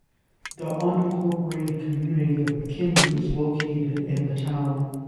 The unincorporated community of McKinley is located in the town.